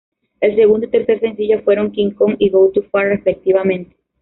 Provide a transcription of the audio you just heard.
El segundo y tercer sencillo fueron "King Kong" y "Go Too Far" respectivamente.